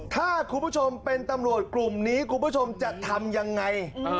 ถ้าคุณผู้ชมเป็นตำรวจกลุ่มนี้คุณผู้ชมจะทำยังไง